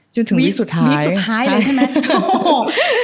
จนถึงวีคสุดท้ายวีคสุดท้ายเลยใช่ไหม